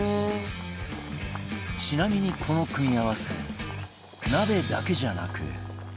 ちなみにこの組み合わせ鍋だけじゃなく